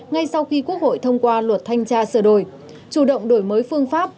ngay sau khi quốc hội thông qua luật thanh tra sửa đổi chủ động đổi mới phương pháp